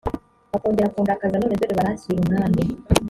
bakongera kundakaza none dore baranshyira umwami